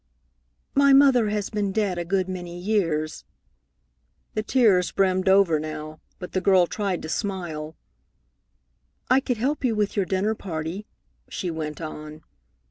"My mother has been dead a good many years." The tears brimmed over now, but the girl tried to smile. "I could help you with your dinner party," she went on.